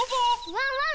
ワンワン